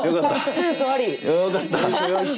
センスありです。